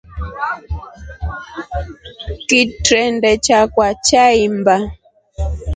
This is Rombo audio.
Kitrende chakwa chaimba.